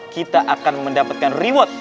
kita akan mendapatkan reward